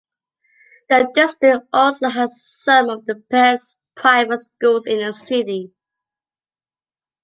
The district also has some of the best private schools in the city.